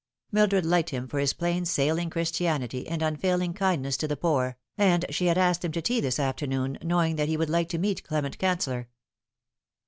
Mildred liked him for his plain sailing Christianity and unfail ing kindness to the poor, and she had asked him to tea this afternoon, knowing that he would like to meet Clement Can cellor.